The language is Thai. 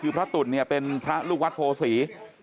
คือพระตุ๋นเป็นลูกพระมรินิปะพระอวัดโพศรี